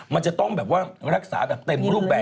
มันจะต้องรักษาเต็มรูปแบบ